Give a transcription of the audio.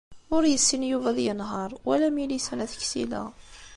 Ur yessin Yuba ad yenheṛ, wala Milisa n At Ksila.